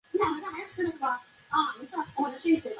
期间她曾随队两次夺得足协杯冠军。